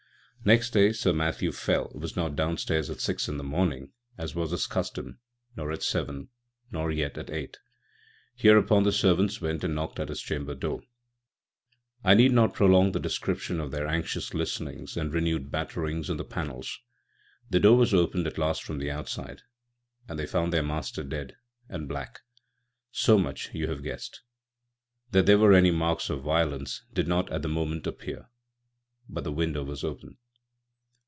Next day Sir Matthew Fell was not downstairs at six in the morning, as was his custom, nor at seven, nor yet at eight. Hereupon the servants went and knocked at his chamber door. I need not prolong the description of their anxious listenings and renewed batterings on the panels. The door was opened at last from the outside, and they found their master dead and black. So much you have guessed. That there were any marks of violence did not at the moment appear; but the window was open.